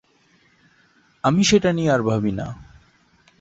আমি সেটা নিয়ে আর ভাবি না।